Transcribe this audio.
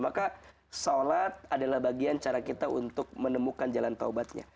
maka sholat adalah bagian cara kita untuk menemukan jalan taubatnya